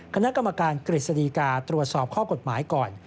คณะกรรมการกฤษฎีกาตรวจสอบข้อกฎหมายก่อน